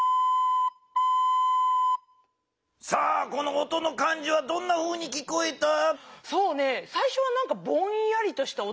さあこの音の感じはどんなふうに聞こえた？